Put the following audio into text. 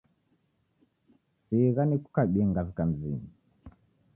Sigha nikukabie ngavika mzinyi